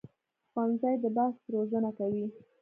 ښوونځی د بحث روزنه کوي